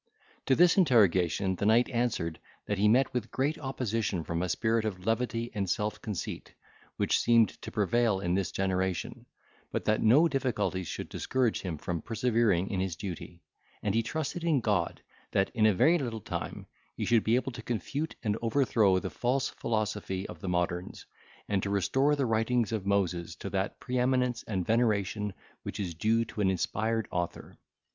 To this interrogation the knight answered, that he met with great opposition from a spirit of levity and self conceit, which seemed to prevail in this generation, but that no difficulties should discourage him from persevering in his duty; and he trusted in God, that, in a very little time, he should be able to confute and overthrow the false philosophy of the moderns, and to restore the writings of Moses to that pre eminence and veneration which is due to an inspired author.